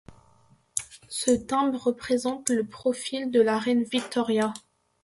Ce timbre représente le profil de la reine Victoria.